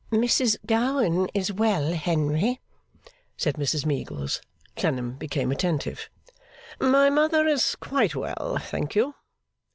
'Mrs Gowan is well, Henry?' said Mrs Meagles. (Clennam became attentive.) 'My mother is quite well, thank you.